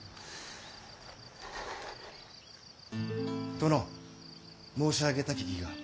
殿申し上げたき儀が。